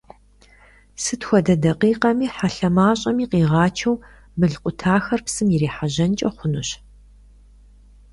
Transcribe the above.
Сыт хуэдэ дакъикъэми хьэлъэ мащӀэми къигъачэу мыл къутахэр псым ирихьэжьэнкӀэ хъунущ.